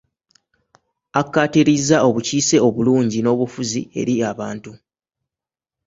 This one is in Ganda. Akkaatiriza obukiise obulungi n'obufuzi eri abantu.